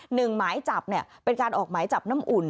หนึ่งหมายจับเป็นการออกหมายจับน้ำอุ่น